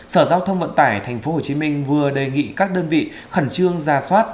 sở giao thông vận tải tp hcm vừa đề nghị các đơn vị khẩn trương ra soát